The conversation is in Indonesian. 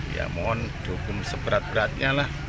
ya mohon dihukum seberat beratnya lah